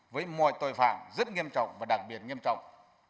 với mọi tội phạm rất nghiêm trọng và đặc biệt nghiêm trọng